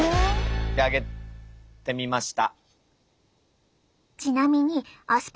であげてみました。